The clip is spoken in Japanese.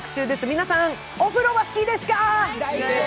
皆さん、お風呂は好きですか？